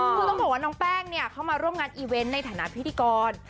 คือต้องบอกว่าน้องแป้งเนี่ยเข้ามาร่วมงานอีเวนต์ในฐานะพิธีกร